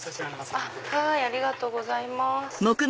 ありがとうございます。